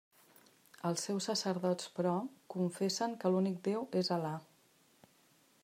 Els seus sacerdots, però, confessen que l'únic déu és Al·là.